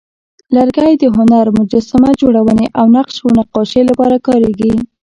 لرګی د هنر، مجسمه جوړونې، او نقش و نقاشۍ لپاره کارېږي.